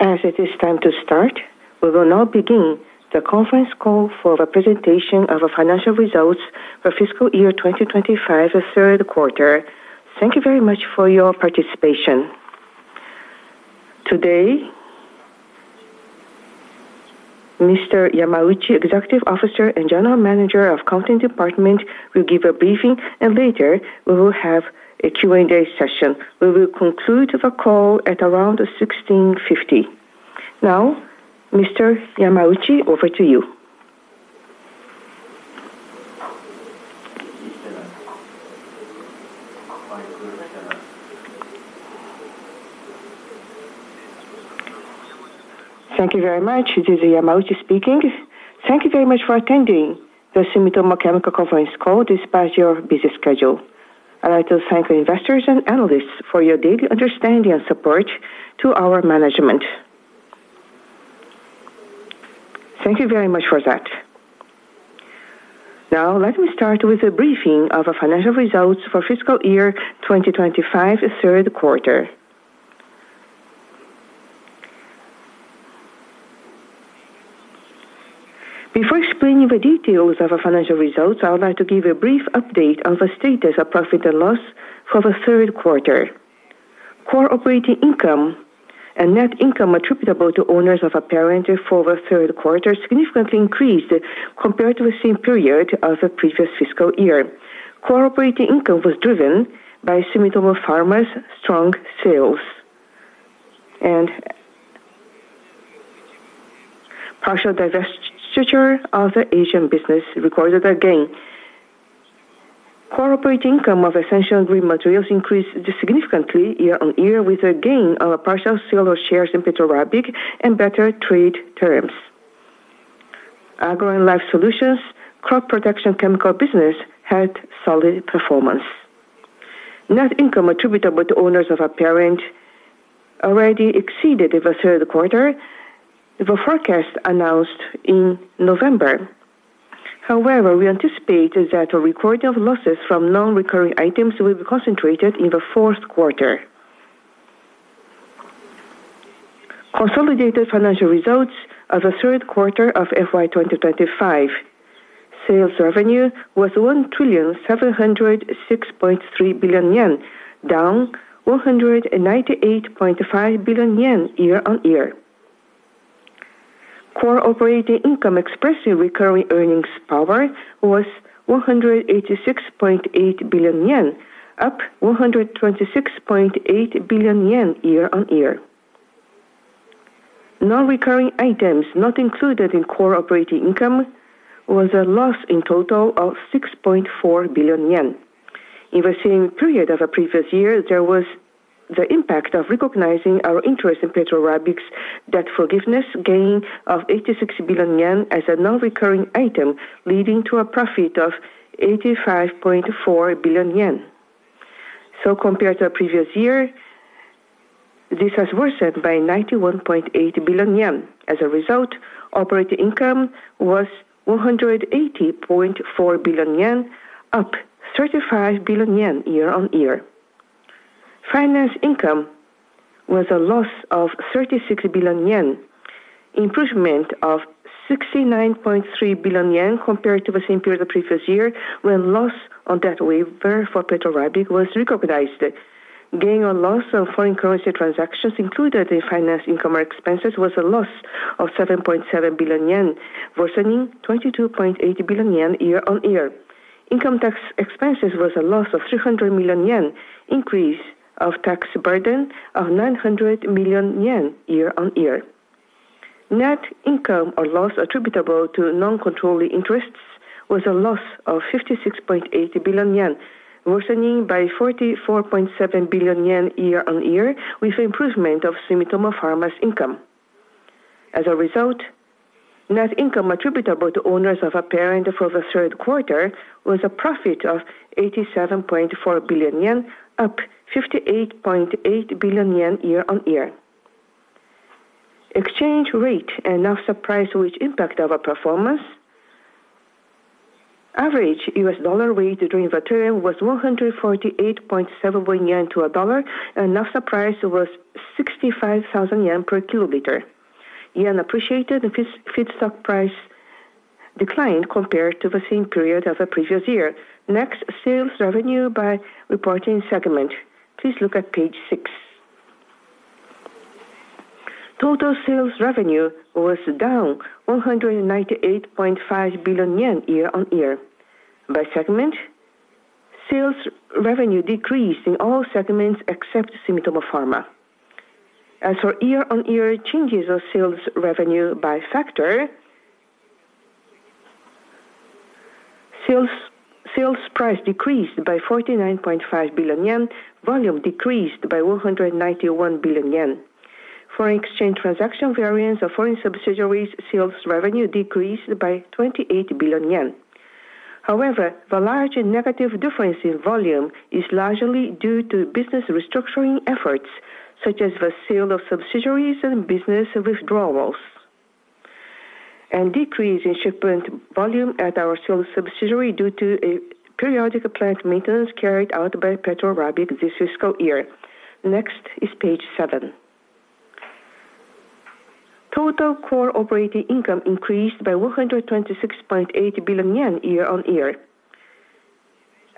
As it is time to start, we will now begin the conference call for the presentation of our financial results for fiscal year 2025, the third quarter. Thank you very much for your participation. Today, Mr. Yamauchi, Executive Officer and General Manager of Accounting Department, will give a briefing, and later we will have a Q&A session. We will conclude the call at around 4:50 P.M. Now, Mr. Yamauchi, over to you. Thank you very much. This is Yamauchi speaking. Thank you very much for attending the Sumitomo Chemical Conference Call despite your busy schedule. I'd like to thank the investors and analysts for your deep understanding and support to our management. Thank you very much for that. Now, let me start with a briefing of our financial results for fiscal year 2025, the third quarter. Before explaining the details of our financial results, I would like to give a brief update on the status of profit and loss for the third quarter. Core operating income and net income attributable to owners of a parent for the third quarter significantly increased compared to the same period of the previous fiscal year. Core operating income was driven by Sumitomo Pharma's strong sales, and partial divestiture of the Asian business recorded a gain. Core operating income of Essential & Green Materials increased significantly year-on-year, with a gain on a partial sale of shares in Petro Rabigh and better trade terms. Agro & Life Solutions, crop protection chemical business, had solid performance. Net income attributable to owners of our parent already exceeded the third quarter forecast announced in November. However, we anticipate that a record of losses from non-recurring items will be concentrated in the fourth quarter. Consolidated financial results of the third quarter of FY 2025. Sales revenue was 1,706.3 billion yen, down 198.5 billion yen year-on-year. Core operating income, expressing recurring earnings power, was 186.8 billion yen, up 126.8 billion yen year-on-year. Non-recurring items not included in core operating income was a loss in total of 6.4 billion yen. In the same period of the previous year, there was the impact of recognizing our interest in Petro Rabigh's debt forgiveness gain of 86 billion yen as a non-recurring item, leading to a profit of 85.4 billion yen. So compared to the previous year, this has worsened by 91.8 billion yen. As a result, operating income was 180.4 billion yen, up 35 billion yen year-on-year. Finance income was a loss of 36 billion yen, improvement of 69.3 billion yen compared to the same period the previous year, when loss on debt waiver for Petro Rabigh was recognized. Gain or loss on foreign currency transactions included in finance income or expenses, was a loss of 7.7 billion yen, worsening 22.8 billion yen year-on-year. Income tax expenses was a loss of 300 million yen, increase of tax burden of 900 million yen year-on-year. Net income or loss attributable to non-controlling interests was a loss of 56.8 billion yen, worsening by 44.7 billion yen year-on-year, with improvement of Sumitomo Pharma's income. As a result, net income attributable to owners of our parent for the third quarter was a profit of 87.4 billion yen, up 58.8 billion yen year-on-year. Exchange rate and naphtha price, which impact our performance. Average US dollar rate during the quarter was 148.7 yen to a dollar, and naphtha price was 65,000 yen per kiloliter. The yen appreciated, the feedstock price declined compared to the same period of the previous year. Next, sales revenue by reporting segment. Please look at page 6. Total sales revenue was down 198.5 billion yen year-on-year. By segment, sales revenue decreased in all segments except Sumitomo Pharma. As for year-on-year changes of sales revenue by factor, sales, sales price decreased by 49.5 billion yen. Volume decreased by 191 billion yen. Foreign exchange transaction variance of foreign subsidiaries' sales revenue decreased by 28 billion yen. However, the large and negative difference in volume is largely due to business restructuring efforts, such as the sale of subsidiaries and business withdrawals and decrease in shipment volume at our sole subsidiary due to a periodic plant maintenance carried out by Petro Rabigh this fiscal year. Next is page seven. Total core operating income increased by 126.8 billion yen year-on-year.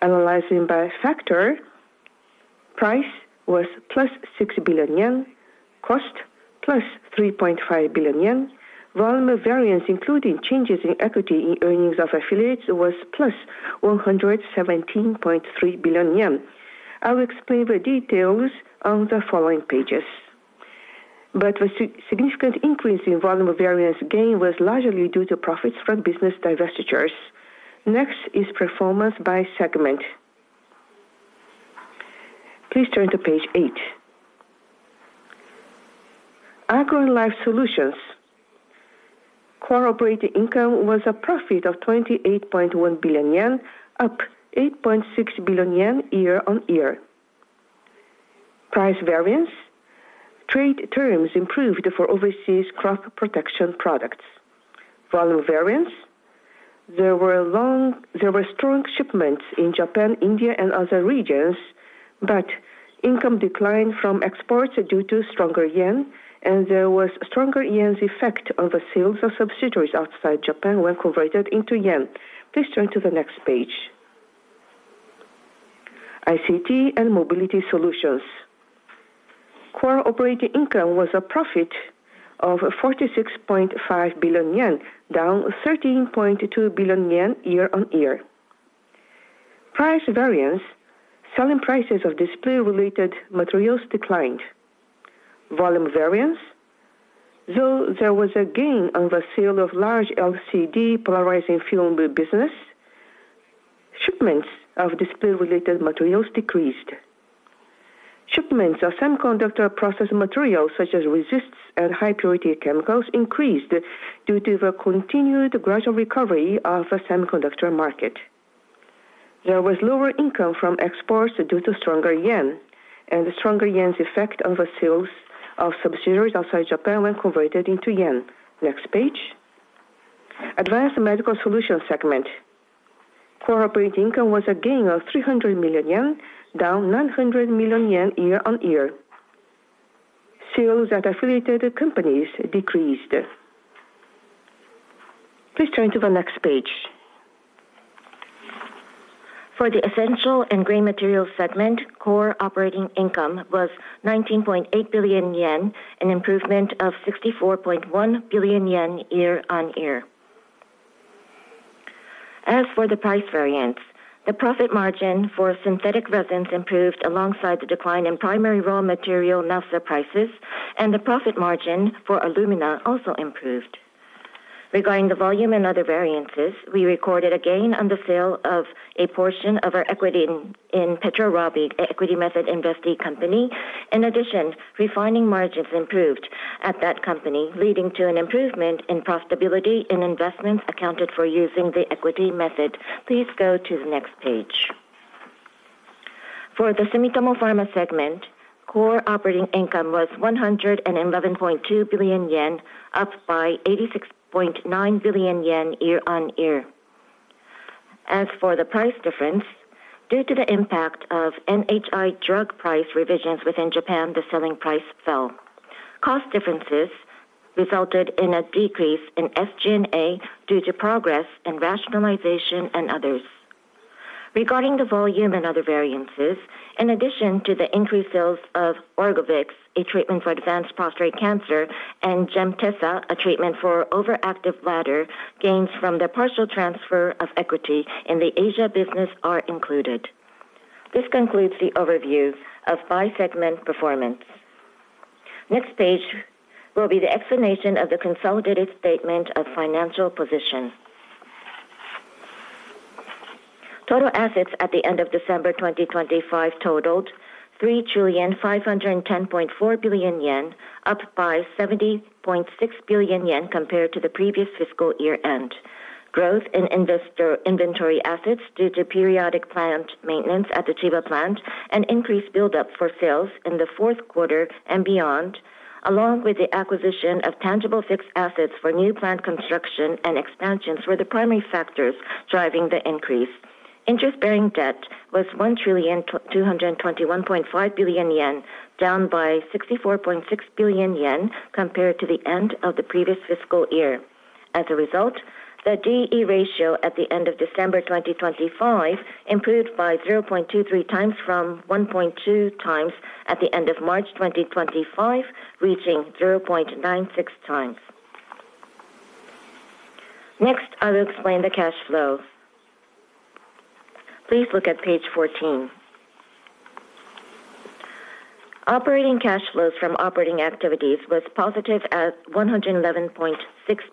Analyzing by factor, price was +6 billion yen, cost +3.5 billion yen. Volume variance, including changes in equity in earnings of affiliates, was +117.3 billion yen. I will explain the details on the following pages, but the significant increase in volume of variance gain was largely due to profits from business divestitures. Next is performance by segment. Please turn to page 8. Agro & Life Solutions. Core operating income was a profit of 28.1 billion yen, up 8.6 billion yen year-on-year. Price variance, trade terms improved for overseas crop protection products. Volume variance, there were strong shipments in Japan, India, and other regions, but income declined from exports due to stronger yen, and there was stronger yen's effect on the sales of subsidiaries outside Japan when converted into yen. Please turn to the next page. ICT & Mobility Solutions. Core operating income was a profit of 46.5 billion yen, down 13.2 billion yen year-on-year. Price variance, selling prices of display-related materials declined. Volume variance, though there was a gain on the sale of large LCD polarizing film business, shipments of display-related materials decreased. Shipments of semiconductor process materials, such as resists and high-purity chemicals, increased due to the continued gradual recovery of the semiconductor market. There was lower income from exports due to stronger yen and the stronger yen's effect on the sales of subsidiaries outside Japan when converted into yen. Next page. Advanced Medical Solutions segment. Core operating income was a gain of 300 million yen, down 900 million yen year-on-year. Sales at affiliated companies decreased. Please turn to the next page. For the Essential & Raw Materials segment, core operating income was 19.8 billion yen, an improvement of 64.1 billion yen year-on-year. As for the price variance, the profit margin for synthetic resins improved alongside the decline in primary raw material naphtha prices, and the profit margin for alumina also improved. Regarding the volume and other variances, we recorded a gain on the sale of a portion of our equity in Petro Rabigh, an equity method investee company. In addition, refining margins improved at that company, leading to an improvement in profitability in investments accounted for using the equity method. Please go to the next page. For the Sumitomo Pharma segment, core operating income was 111.2 billion yen, up by 86.9 billion yen year-on-year. As for the price difference, due to the impact of NHI drug price revisions within Japan, the selling price fell. Cost differences resulted in a decrease in SG&A due to progress and rationalization, and others. Regarding the volume and other variances, in addition to the increased sales of ORGOVYX, a treatment for advanced prostate cancer, and GEMTESA, a treatment for overactive bladder, gains from the partial transfer of equity in the Asia business are included. This concludes the overview of by-segment performance. Next page will be the explanation of the consolidated statement of financial position. Total assets at the end of December 2025 totaled 3,510.4 billion yen, up by 70.6 billion yen compared to the previous fiscal year-end. Growth in inventory assets due to periodic plant maintenance at the Chiba plant and increased buildup for sales in the fourth quarter and beyond, along with the acquisition of tangible fixed assets for new plant construction and expansions, were the primary factors driving the increase. Interest-bearing debt was 1,221.5 billion yen, down by 64.6 billion yen compared to the end of the previous fiscal year. As a result, the DE ratio at the end of December 2025 improved by 0.23xfrom 1.2x at the end of March 2025, reaching 0.96x. Next, I'll explain the cash flow. Please look at page 14. Operating cash flows from operating activities was positive at 111.6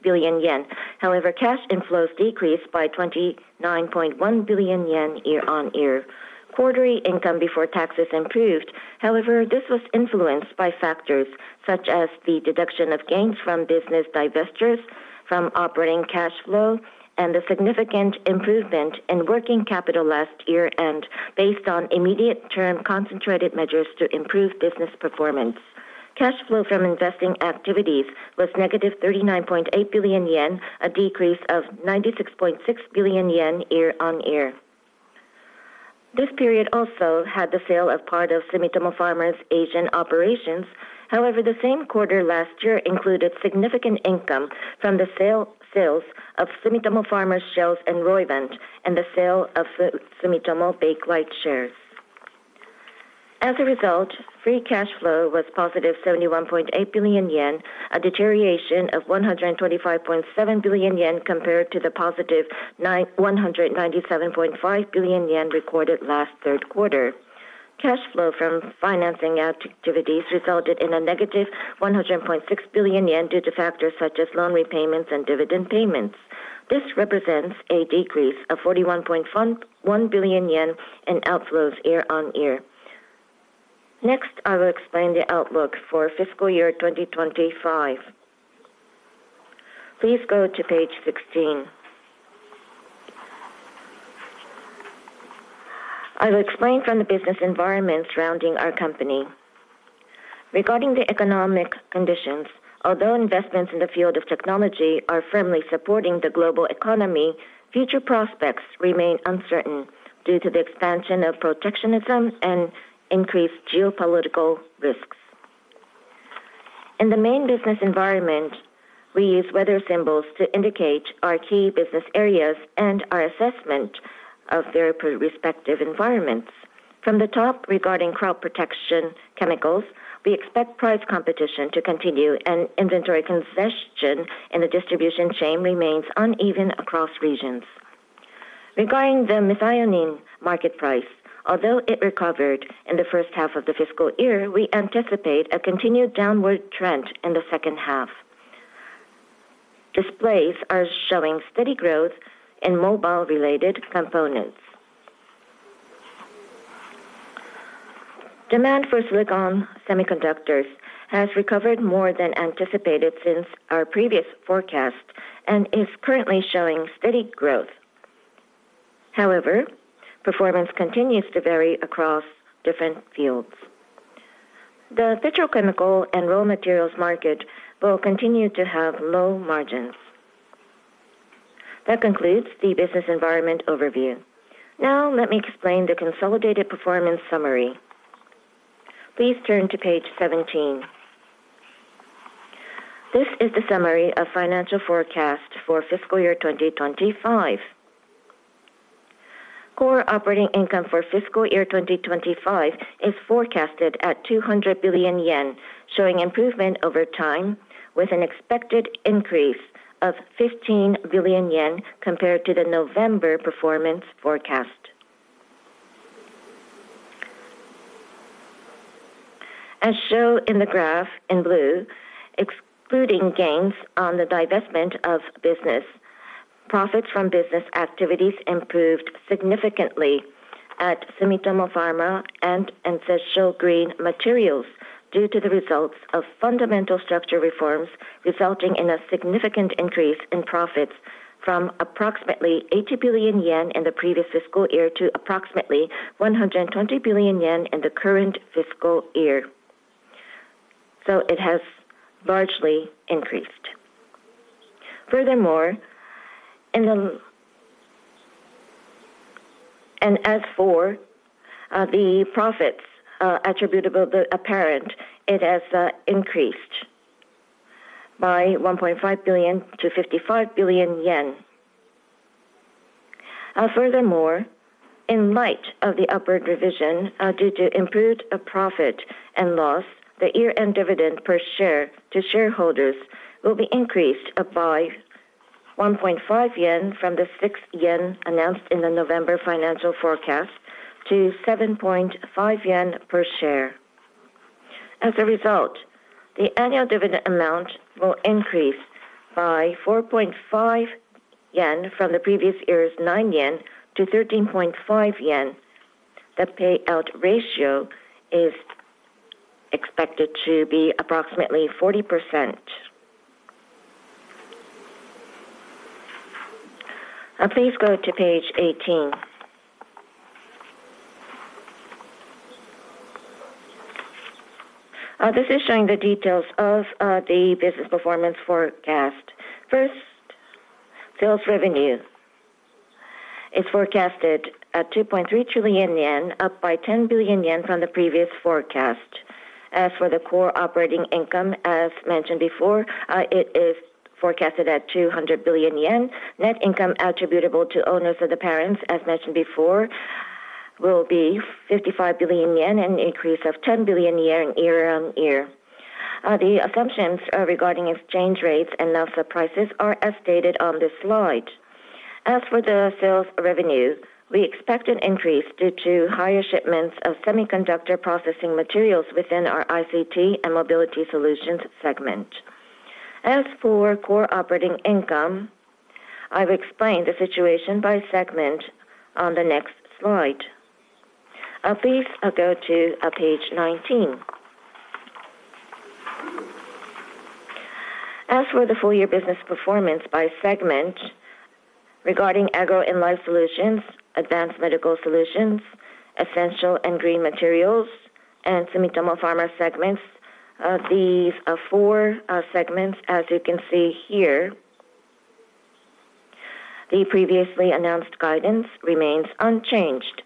billion yen. However, cash inflows decreased by 29.1 billion yen year-on-year. Quarterly income before taxes improved. However, this was influenced by factors such as the deduction of gains from business divestitures from operating cash flow and a significant improvement in working capital last year, and based on immediate term concentrated measures to improve business performance. Cash flow from investing activities was -39.8 billion yen, a decrease of 96.6 billion yen year-on-year. This period also had the sale of part of Sumitomo Pharma's Asian operations. However, the same quarter last year included significant income from the sale, sales of Sumitomo Pharma's shares in Roivant, and the sale of Sumitomo Bakelite shares. As a result, free cash flow was positive 71.8 billion yen, a deterioration of 125.7 billion yen compared to the positive 197.5 billion yen recorded last third quarter. Cash flow from financing activities resulted in a -100.6 billion yen, due to factors such as loan repayments and dividend payments. This represents a decrease of 41.1 billion yen in outflows year-on-year. Next, I will explain the outlook for fiscal year 2025. Please go to page 16. I will explain from the business environment surrounding our company. Regarding the economic conditions, although investments in the field of technology are firmly supporting the global economy, future prospects remain uncertain due to the expansion of protectionism and increased geopolitical risks. In the main business environment, we use weather symbols to indicate our key business areas and our assessment of their respective environments. From the top, regarding crop protection chemicals, we expect price competition to continue and inventory concession in the distribution chain remains uneven across regions. Regarding the methionine market price, although it recovered in the first half of the fiscal year, we anticipate a continued downward trend in the second half. Displays are showing steady growth in mobile-related components. Demand for silicon semiconductors has recovered more than anticipated since our previous forecast and is currently showing steady growth. However, performance continues to vary across different fields. The petrochemical and raw materials market will continue to have low margins. That concludes the business environment overview. Now let me explain the consolidated performance summary. Please turn to page 17. This is the summary of financial forecast for fiscal year 2025. Core operating income for fiscal year 2025 is forecasted at 200 billion yen, showing improvement over time, with an expected increase of 15 billion yen compared to the November performance forecast. As shown in the graph in blue, excluding gains on the divestment of business, profits from business activities improved significantly at Sumitomo Pharma and Essential & Green Materials due to the results of fundamental structure reforms, resulting in a significant increase in profits from approximately 80 billion yen in the previous fiscal year to approximately 120 billion yen in the current fiscal year. It has largely increased. Furthermore, as for the profits attributable to the parent, it has increased by JPY 1.5 billion-JPY 55 billion. Furthermore, in light of the upward revision, due to improved profit and loss, the year-end dividend per share to shareholders will be increased by 1.5 yen from the 6 yen announced in the November financial forecast to 7.5 yen per share. As a result, the annual dividend amount will increase by 4.5 yen from the previous year's 9 yen to 13.5 yen. The payout ratio is expected to be approximately 40%. Now please go to page 18. This is showing the details of the business performance forecast. First, sales revenue is forecasted at 2.3 trillion yen, up by 10 billion yen from the previous forecast. As for the core operating income, as mentioned before, it is forecasted at 200 billion yen. Net income attributable to owners of the parent, as mentioned before, will be 55 billion yen, an increase of 10 billion yen year-on-year. The assumptions regarding exchange rates and naphtha prices are as stated on this slide. As for the sales revenue, we expect an increase due to higher shipments of semiconductor processing materials within our ICT and Mobility Solutions segment. As for core operating income, I've explained the situation by segment on the next slide. Please go to page 19. As for the full year business performance by segment, regarding Agro and Life Solutions, Advanced Medical Solutions, Essential and Green Materials, and Sumitomo Pharma segments, these four segments, as you can see here, the previously announced guidance remains unchanged.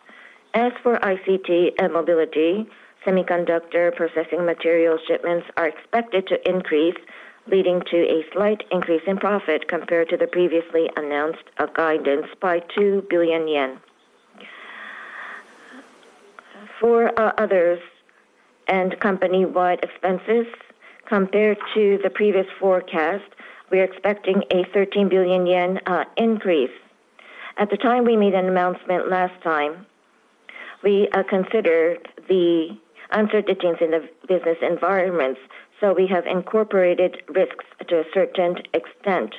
As for ICT and Mobility, semiconductor processing material shipments are expected to increase, leading to a slight increase in profit compared to the previously announced guidance by 2 billion yen. For others and company-wide expenses, compared to the previous forecast, we are expecting a 13 billion yen increase. At the time we made an announcement last time, we considered the uncertainties in the business environments, so we have incorporated risks to a certain extent.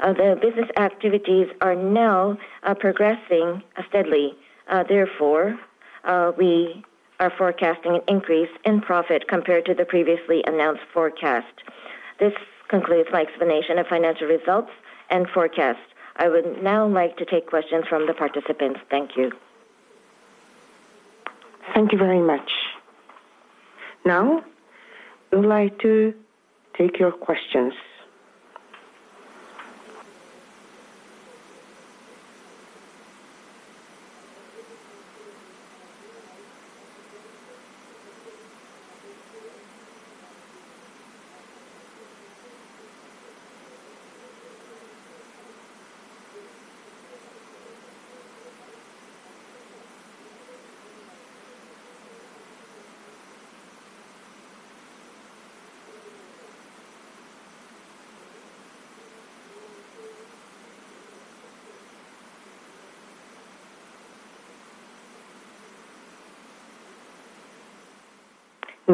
The business activities are now progressing steadily. Therefore, we are forecasting an increase in profit compared to the previously announced forecast. This concludes my explanation of financial results and forecast. I would now like to take questions from the participants. Thank you. Thank you very much. Now, we would like to take your questions.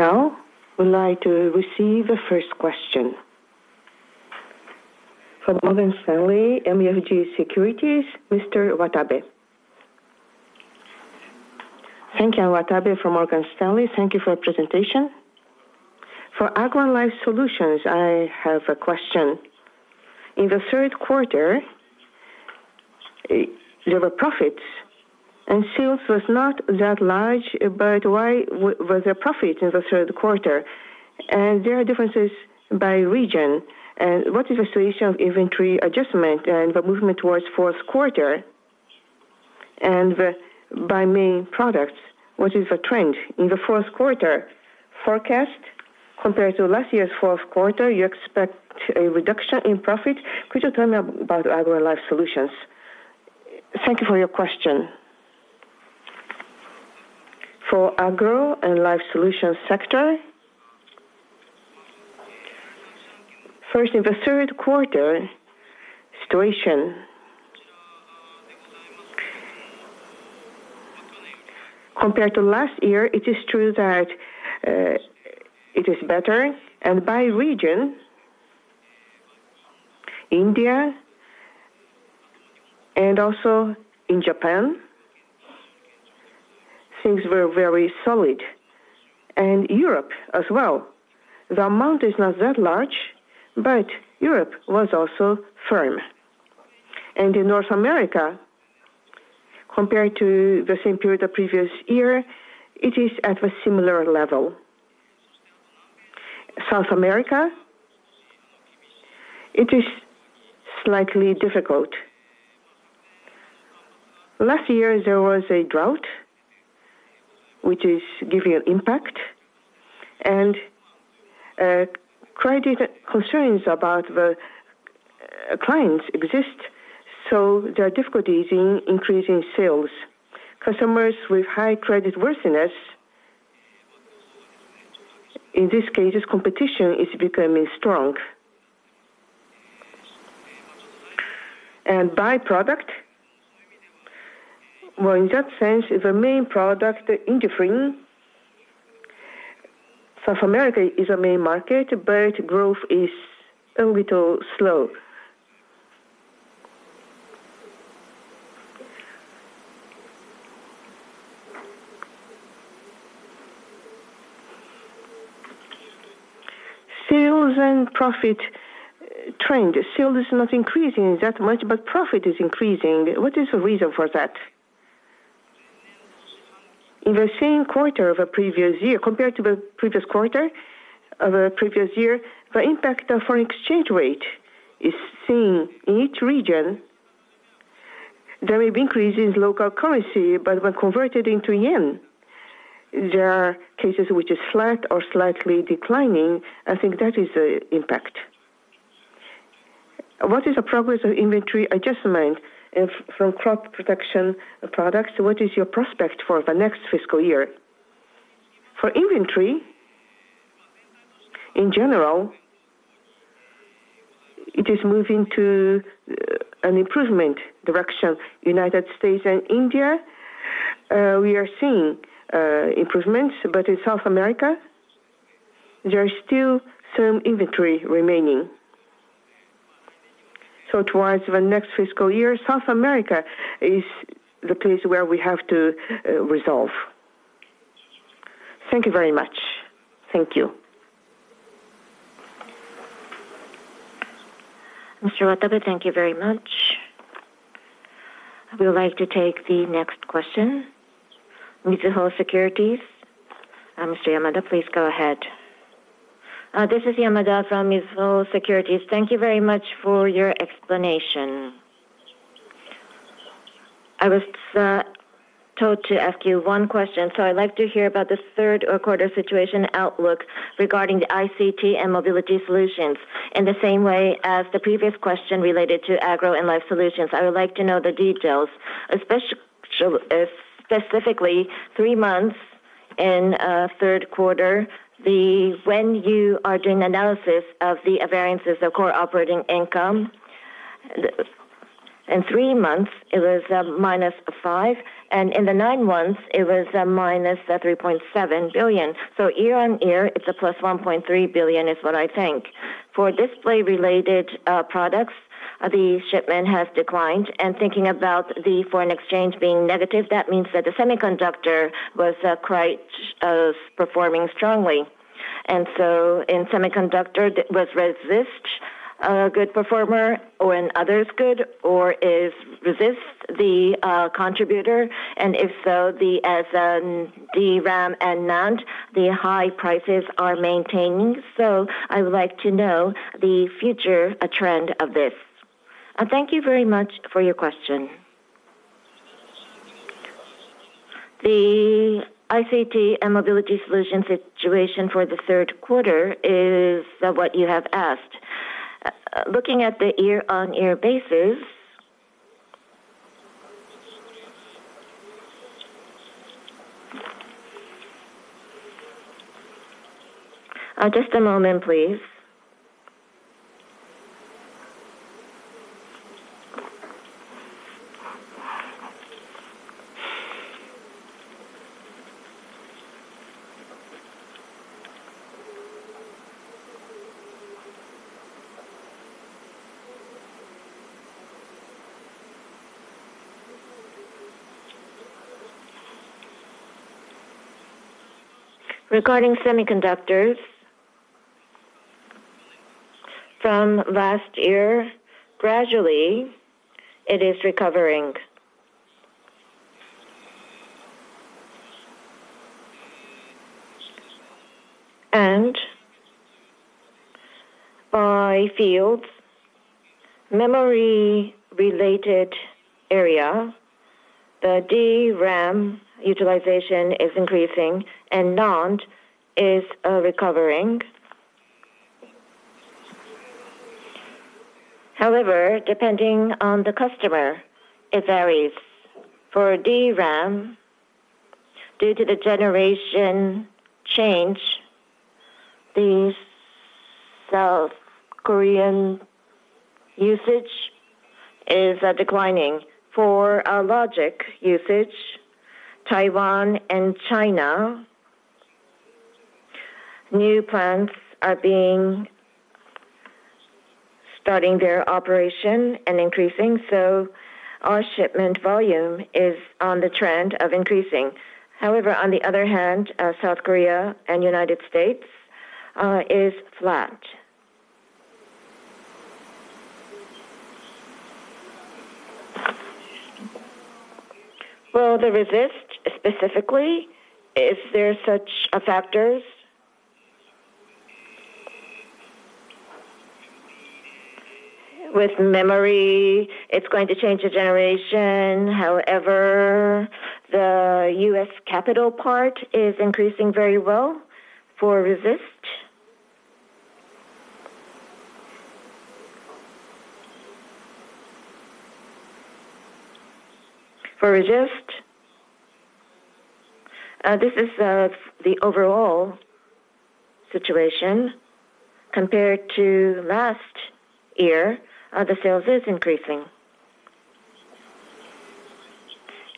Now, we'd like to receive the first question. From Morgan Stanley MUFG Securities, Mr. Watabe. Thank you. I'm Watabe from Morgan Stanley. Thank you for your presentation. For Agro and Life Solutions, I have a question. In the third quarter, there were profits, and sales was not that large, but why was there profit in the third quarter? And there are differences by region, and what is the situation of inventory adjustment and the movement towards fourth quarter? And, by main products, what is the trend? In the fourth quarter forecast, compared to last year's fourth quarter, you expect a reduction in profit. Could you tell me about Agro and Life Solutions? Thank you for your question. For Agro and Life Solutions sector, first, in the third quarter situation, compared to last year, it is true that it is better. And by region, India and also in Japan, things were very solid, and Europe as well. The amount is not that large, but Europe was also firm. And in North America, compared to the same period the previous year, it is at a similar level. South America, it is slightly difficult. Last year, there was a drought, which is giving an impact, and credit concerns about the clients exist, so there are difficulties in increasing sales. Customers with high creditworthiness, in this case, competition is becoming strong. And by product, well, in that sense, the main product, the INDIFLIN, South America is a main market, but growth is a little slow. Sales and profit trend. Sales is not increasing that much, but profit is increasing. What is the reason for that? In the same quarter of a previous year, compared to the previous quarter of a previous year, the impact of foreign exchange rate is seen in each region. There have increase in local currency, but when converted into yen, there are cases which is flat or slightly declining. I think that is the impact. What is the progress of inventory adjustment? And from crop protection products, what is your prospect for the next fiscal year? For inventory, in general, it is moving to an improvement direction. United States and India, we are seeing improvements, but in South America, there are still some inventory remaining. So towards the next fiscal year, South America is the place where we have to resolve. Thank you very much. Thank you. Mr. Watabe, thank you very much. I would like to take the next question. Mizuho Securities, Mr. Yamada, please go ahead. This is Yamada from Mizuho Securities. Thank you very much for your explanation. I was told to ask you one question, so I'd like to hear about the third quarter situation outlook regarding the ICT and mobility solutions. In the same way as the previous question related to agro and life solutions, I would like to know the details, especially, specifically, three months in, third quarter, when you are doing analysis of the variances of core operating income, in three months it was -5 billion, and in the nine months it was -3.7 billion. So year-on-year, it's a +1.3 billion, is what I think. For display-related products, the shipment has declined, and thinking about the foreign exchange being negative, that means that the semiconductor was quite performing strongly. And so in semiconductor, was resist a good performer, or in others good, or is resist the contributor? And if so, as the RAM and NAND, the high prices are maintaining. So I would like to know the future trend of this. Thank you very much for your question. The ICT and mobility solution situation for the third quarter is what you have asked. Looking at the year-over-year basis. Just a moment, please. Regarding semiconductors, from last year, gradually, it is recovering. And by fields, memory-related area, the DRAM utilization is increasing and NAND is recovering. However, depending on the customer, it varies. For DRAM, due to the generation change, the South Korean usage is declining. For logic usage, Taiwan and China, new plants are being starting their operation and increasing, so our shipment volume is on the trend of increasing. However, on the other hand, South Korea and United States is flat. Well, the resist specifically, is there such factors? With memory, it's going to change the generation. However, the US capital part is increasing very well for resist. For resist, this is the overall situation. Compared to last year, the sales is increasing.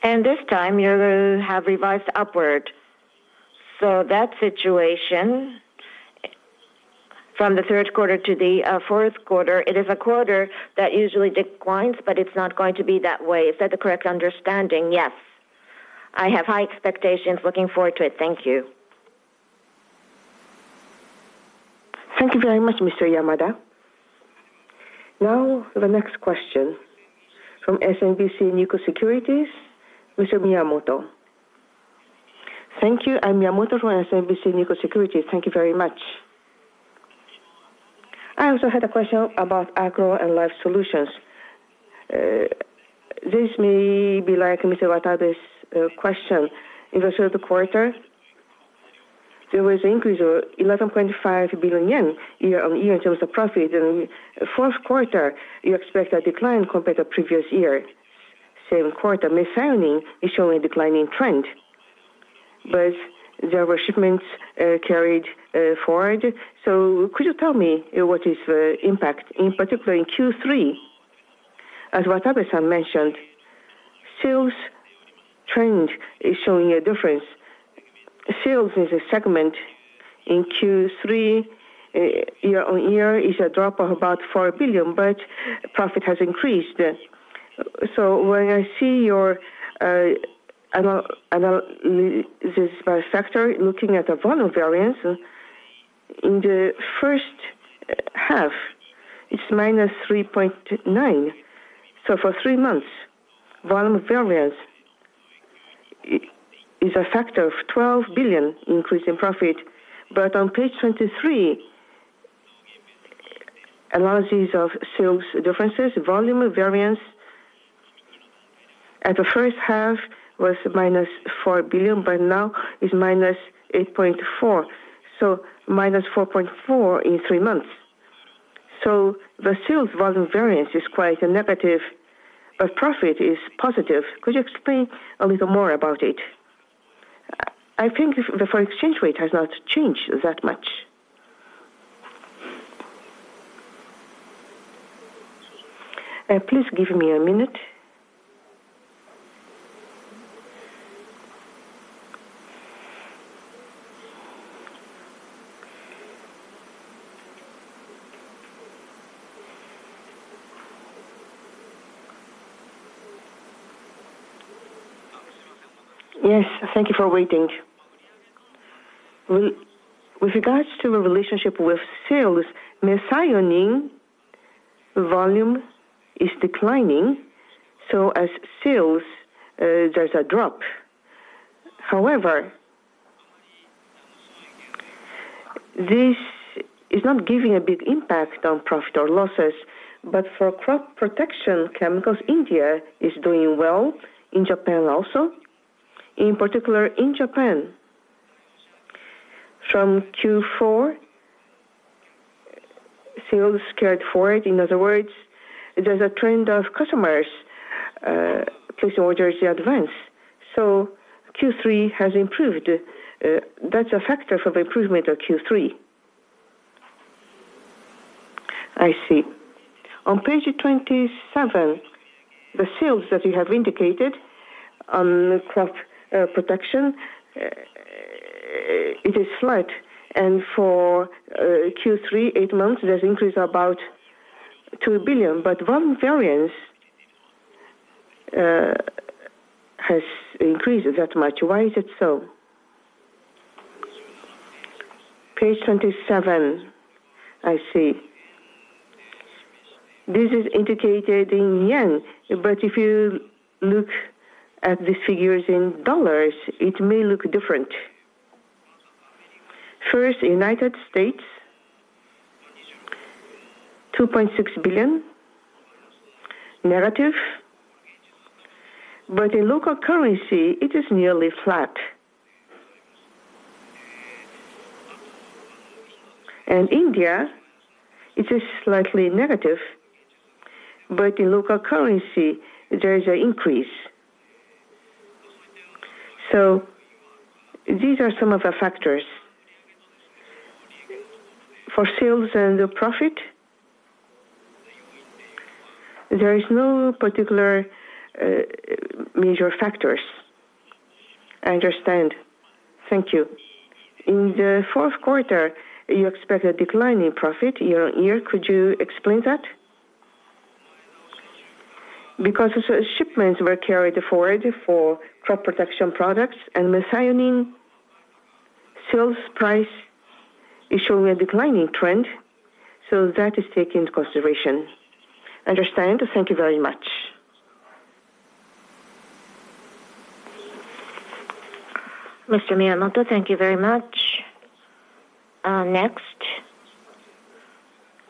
And this time, you have revised upward. So that situation, from the third quarter to the fourth quarter, it is a quarter that usually declines, but it's not going to be that way. Is that the correct understanding? Yes. I have high expectations. Looking forward to it. Thank you. Thank you very much, Mr. Yamada. Now, the next question from SMBC Nikko Securities, Mr. Miyamoto. Thank you. I'm Miyamoto from SMBC Nikko Securities. Thank you very much. I also had a question about Agro and Life Solutions. This may be like Mr. Watabe's question. In the third quarter, there was an increase of 11.5 billion yen year-on-year in terms of profit. In fourth quarter, you expect a decline compared to previous year, same quarter. Methionine is showing a declining trend, but there were shipments carried forward. So could you tell me what is the impact, in particular in Q3? As Watabe-san mentioned, sales trend is showing a difference. Sales is a segment in Q3 year-on-year is a drop of about 4 billion, but profit has increased. So when I see your analysis by sector, looking at the volume variance in the first half, it's -3.9. So for three months, volume variance is a factor of 12 billion increase in profit. But on page 23, analysis of sales differences, volume variance in the first half was -4 billion, but now is -8.4 billion, so -4.4 billion in three months. So the sales volume variance is quite negative, but profit is positive. Could you explain a little more about it? I think the foreign exchange rate has not changed that much. Please give me a minute. Yes, thank you for waiting. With regards to the relationship with sales, Methionine volume is declining, so as sales, there's a drop. However, this is not giving a big impact on profit or losses, but for crop protection chemicals, India is doing well, in Japan also. In particular, in Japan, from Q4, sales carried forward. In other words, there's a trend of customers placing orders in advance, so Q3 has improved. That's a factor for the improvement of Q3. I see. On page 27, the sales that you have indicated on the crop protection, it is flat, and for Q3, eight months, there's increase about 2 billion, but volume variance has increased that much. Why is it so? Page 27. I see. This is indicated in yen, but if you look at the figures in dollars, it may look different. First, United States, $2.6 billion, negative, but in local currency, it is nearly flat. India, it is slightly negative, but in local currency, there is an increase. These are some of the factors. For sales and the profit? There is no particular, major factors. I understand. Thank you. In the fourth quarter, you expect a decline in profit year-on-year. Could you explain that? Because the shipments were carried forward for crop protection products and Methionine sales price is showing a declining trend, so that is taken into consideration. Understand. Thank you very much. Mr. Miyamoto, thank you very much. Next,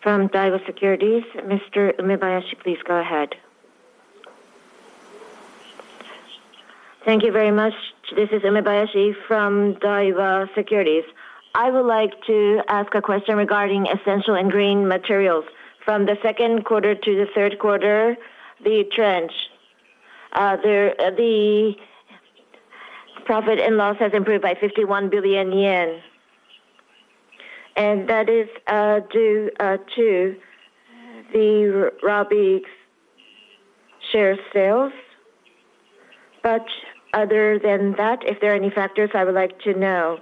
from Daiwa Securities, Mr. Umebayashi, please go ahead. Thank you very much. This is Umebayashi from Daiwa Securities. I would like to ask a question regarding essential and green materials. From the second quarter to the third quarter, the trend there, the profit and loss has improved by 51 billion yen, and that is due to the Rabigh share sales. But other than that, if there are any factors, I would like to know.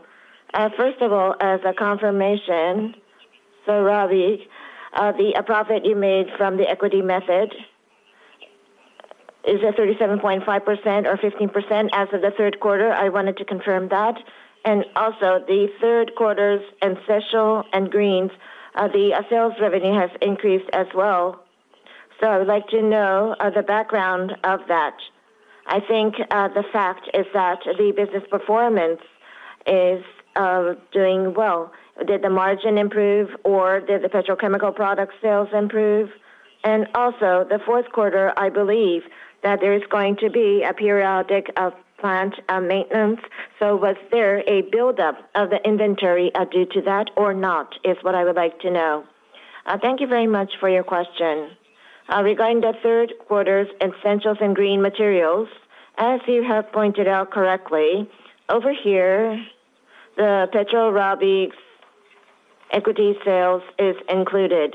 First of all, as a confirmation, so Rabigh, the profit you made from the equity method, is it 37.5% or 15% as of the third quarter? I wanted to confirm that. And also, the third quarter's essential and greens, the sales revenue has increased as well. So I would like to know, the background of that. I think, the fact is that the business performance is, doing well. Did the margin improve, or did the petrochemical product sales improve? And also, the fourth quarter, I believe that there is going to be a periodic, plant, maintenance. So was there a buildup of the inventory, due to that or not, is what I would like to know. Thank you very much for your question. Regarding the third quarter's Essential and Green Materials, as you have pointed out correctly, over here, the Petro Rabigh's equity sales is included.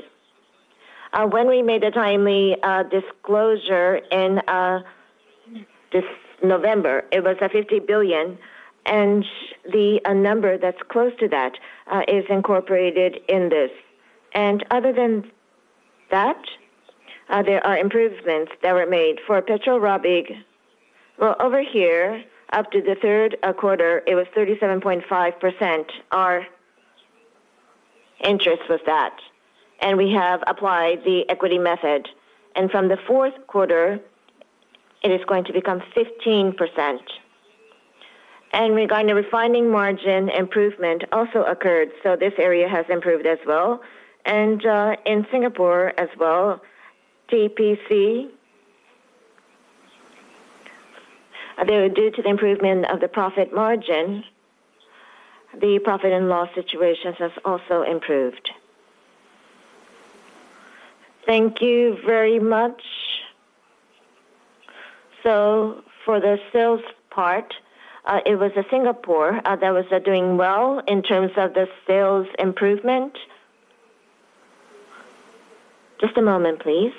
When we made a timely disclosure in this November, it was 50 billion, and the number that's close to that is incorporated in this. And other than that, there are improvements that were made. For Petro Rabigh, well, over here, up to the third quarter, it was 37.5%, our interest was that, and we have applied the equity method. And from the fourth quarter, it is going to become 15%. And regarding the refining margin, improvement also occurred, so this area has improved as well. And in Singapore as well, TPC, they were due to the improvement of the profit margin, the profit and loss situations has also improved. Thank you very much. So for the sales part, it was Singapore that was doing well in terms of the sales improvement. Just a moment, please.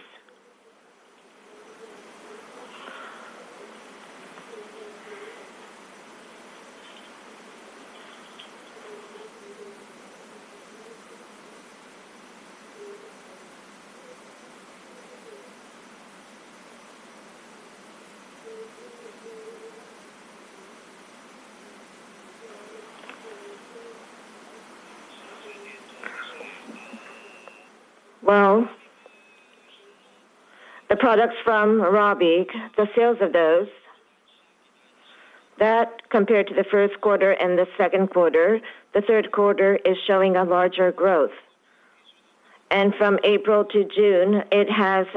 Well, the products from Rabigh, the sales of those, that compared to the first quarter and the second quarter, the third quarter is showing a larger growth. And from April to June, it has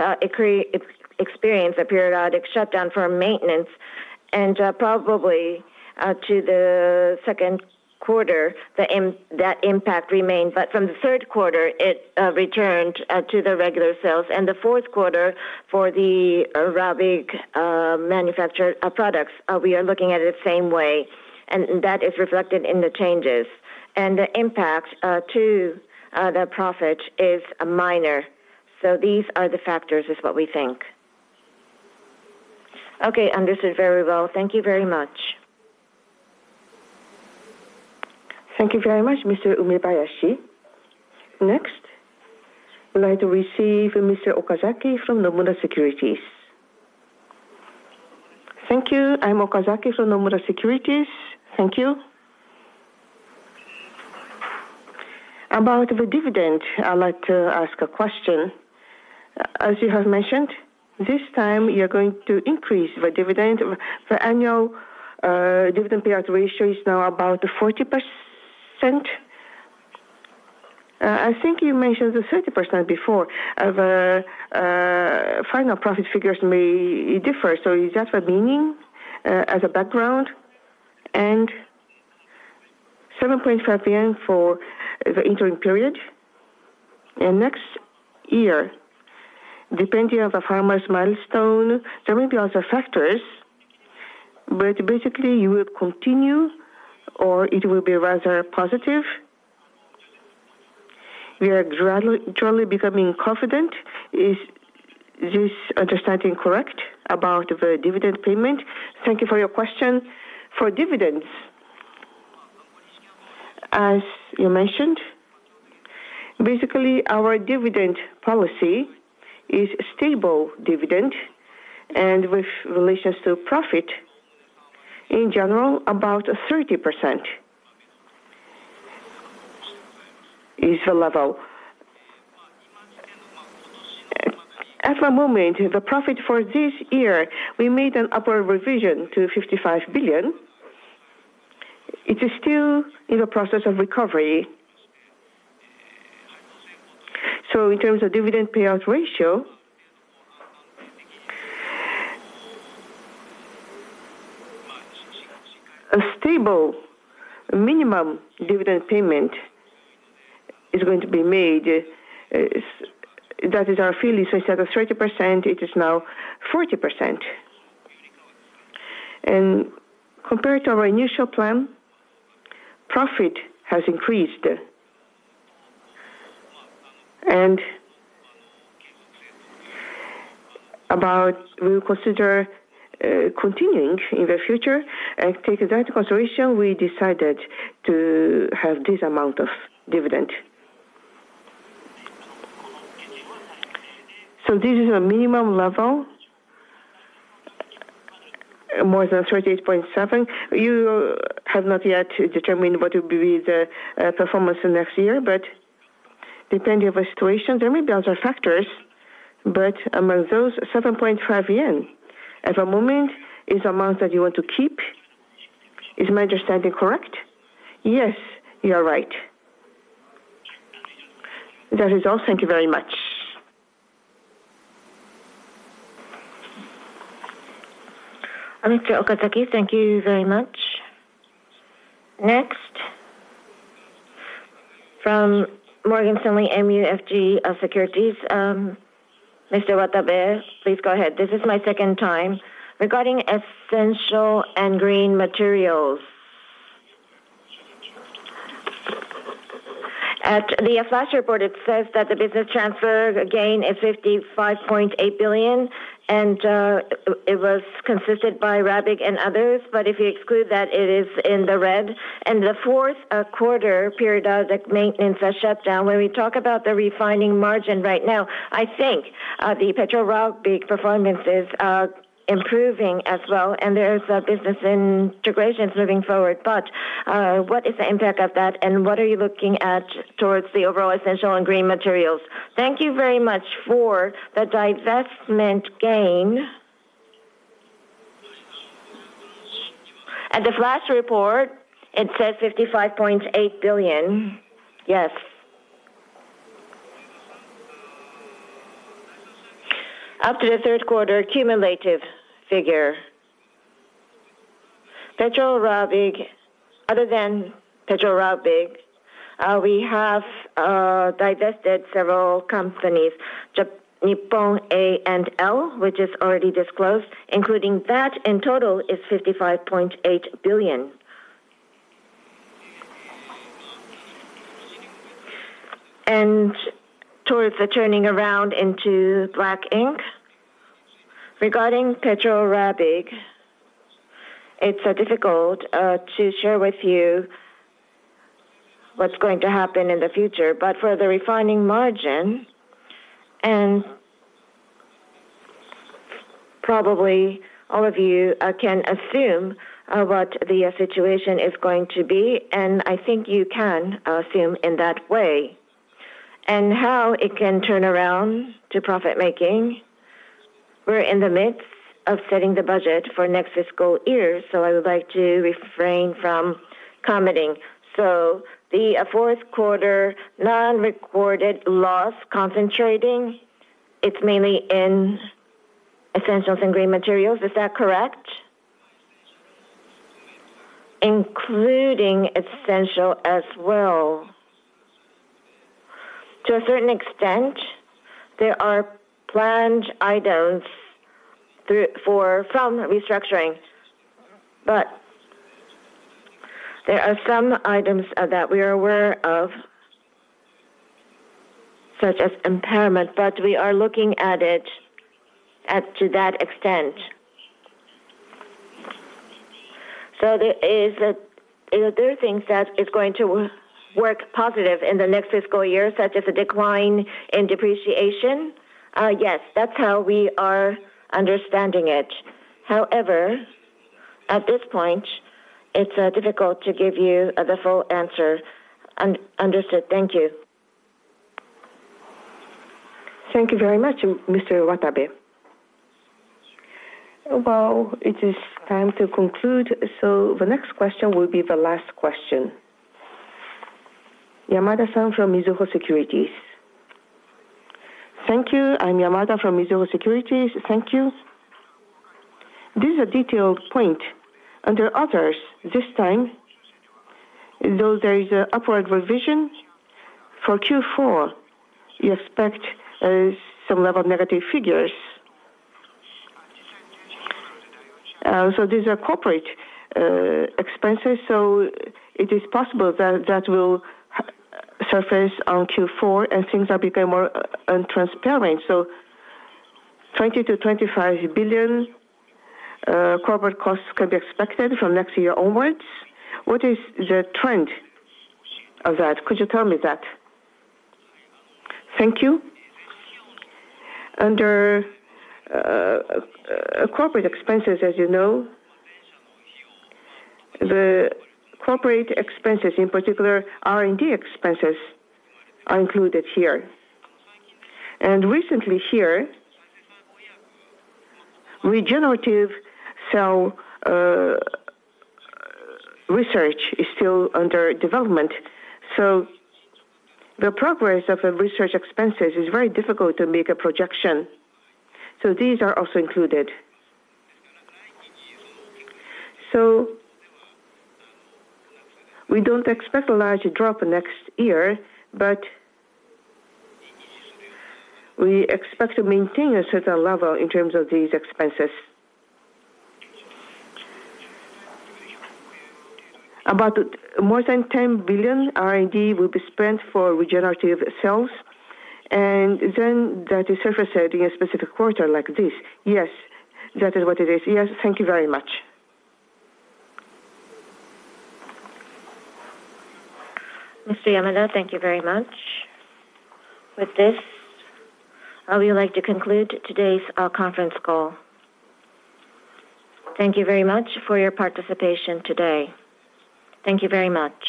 experienced a periodic shutdown for maintenance, and probably to the second quarter, that impact remained. But from the third quarter, it returned to the regular sales. And the fourth quarter for the Rabigh manufactured products, we are looking at it the same way, and that is reflected in the changes. And the impact to the profit is minor. So these are the factors, is what we think. Okay, understood very well. Thank you very much. Thank you very much, Mr. Umebayashi. Next, we'd like to receive Mr. Okazaki from Nomura Securities. Thank you. I'm Okazaki from Nomura Securities. Thank you. About the dividend, I'd like to ask a question. As you have mentioned, this time you're going to increase the dividend. The annual dividend payout ratio is now about 40%. I think you mentioned the 30% before. The final profit figures may differ, so is that the meaning as a background? And 7.5 JPY for the interim period, and next year, depending on the firm's milestone, there may be other factors, but basically you will continue or it will be rather positive. We are gradually becoming confident. Is this understanding correct about the dividend payment? Thank you for your question. For dividends, as you mentioned, basically, our dividend policy is stable dividend, and with relations to profit, in general, about 30% is the level. At the moment, the profit for this year, we made an upper revision to 55 billion. It is still in the process of recovery. So in terms of dividend payout ratio, a stable minimum dividend payment is going to be made. That is our feeling. So instead of 30%, it is now 40%. And compared to our initial plan, profit has increased. And about, we will consider continuing in the future and take that into consideration, we decided to have this amount of dividend. So this is a minimum level, more than 38.7. You have not yet determined what will be the performance in next year, but depending on the situation, there may be other factors, but among those, 7.5 yen, at the moment, is the amount that you want to keep. Is my understanding correct? Yes, you are right. That is all. Thank you very much. Mr. Okazaki, thank you very much. Next, from Morgan Stanley MUFG Securities, Mr. Watabe, please go ahead. This is my second time. Regarding essential and green materials, at the flash report, it says that the business transfer gain is 55.8 billion, and it was consisted by Rabigh and others, but if you exclude that, it is in the red. And the fourth quarter periodic maintenance shutdown, when we talk about the refining margin right now, I think the Petro Rabigh performance is improving as well, and there's a business integrations moving forward. But what is the impact of that, and what are you looking at towards the overall essential and green materials? Thank you very much. For the divestment gain. At the flash report, it says 55.8 billion. Yes. After the third quarter cumulative figure, Petro Rabigh, other than Petro Rabigh, we have divested several companies, Nippon A&L, which is already disclosed, including that in total is 55.8 billion. Towards the turning around into black ink? Regarding Petro Rabigh, it's difficult to share with you what's going to happen in the future, but for the refining margin, and probably all of you can assume what the situation is going to be, and I think you can assume in that way. And how it can turn around to profit-making, we're in the midst of setting the budget for next fiscal year, so I would like to refrain from commenting. So the fourth quarter non-recurring loss concentrating, it's mainly in Essential and Green Materials. Is that correct? Including Essential as well. To a certain extent, there are planned items from restructuring, but there are some items that we are aware of, such as impairment, but we are looking at it to that extent. So there is, are there things that is going to work positive in the next fiscal year, such as a decline in depreciation? Yes, that's how we are understanding it. However, at this point, it's difficult to give you the full answer. Understood. Thank you. Thank you very much, Mr. Watabe. Well, it is time to conclude, so the next question will be the last question. Yamada-san from Mizuho Securities. Thank you. I'm Yamada from Mizuho Securities. Thank you. This is a detailed point. Under others, this time, though there is a upward revision for Q4, you expect some level of negative figures. So these are corporate expenses, so it is possible that that will surface on Q4, and things are becoming more untransparent. So 20 billion-25 billion corporate costs can be expected from next year onwards. What is the trend of that? Could you tell me that? Thank you. Under corporate expenses, as you know, the corporate expenses, in particular, R&D expenses, are included here. Recently here, regenerative cell research is still under development, so the progress of the research expenses is very difficult to make a projection. So these are also included. So we don't expect a large drop next year, but we expect to maintain a certain level in terms of these expenses. About more than 10 billion R&D will be spent for regenerative cells, and then that is surface area in a specific quarter like this. Yes, that is what it is. Yes, thank you very much. Mr. Yamada, thank you very much. With this, I would like to conclude today's conference call. Thank you very much for your participation today. Thank you very much.